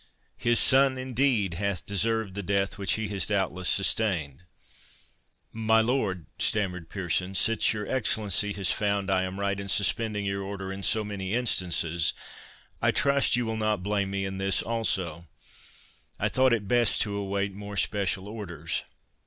His son, indeed, hath deserved the death which he has doubtless sustained." "My lord," stammered Pearson, "since your Excellency has found I am right in suspending your order in so many instances, I trust you will not blame me in this also—I thought it best to await more special orders."